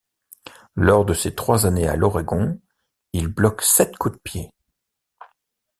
Lors de ses trois années à l'Oregon, il bloque sept coups de pied.